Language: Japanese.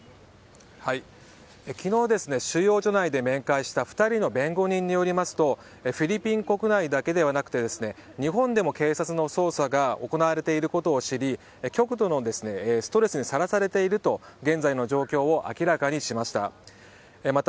昨日、収容所内で面会した２人の弁護人によりますとフィリピン国内だけではなくて日本でも警察の捜査が行われていることを知り極度のストレスにさらされていると現在の状況を明らかにしました。